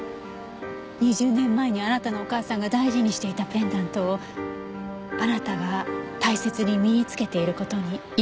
２０年前にあなたのお母さんが大事にしていたペンダントをあなたが大切に身に着けている事に。